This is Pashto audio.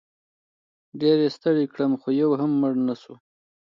ډېر یې ستړی کړم خو یو هم مړ نه شو.